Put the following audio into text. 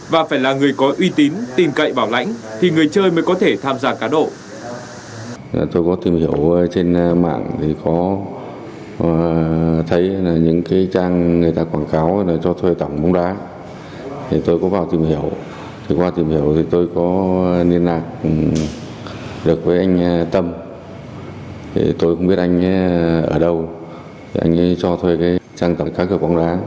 và phải là người có uy tín tìm cậy bảo lãnh thì người chơi mới có thể tham gia cá độ